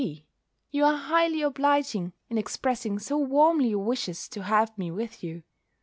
B., You are highly obliging in expressing so warmly your wishes to have me with you.